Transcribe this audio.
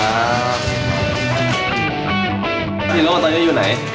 แล้วตอนนี้จะอยู่ไหน